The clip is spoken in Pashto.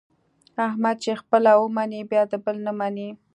احمد چې خپله و مني بیا د بل نه مني.